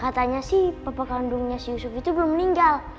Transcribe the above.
katanya sih bapak kandungnya si yusuf itu belum meninggal